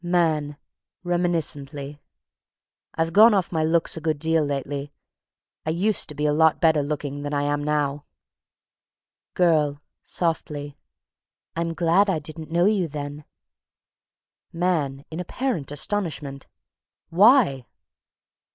MAN. (Reminiscently.) "I've gone off my looks a good deal lately. I used to be a lot better looking than I am now." GIRL. (Softly.) "I'm glad I didn't know you then." MAN. (In apparent astonishment.) "Why?"